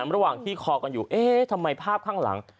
ระหว่างที่คอกันอยู่เอ๊ะทำไมภาพข้างหลัง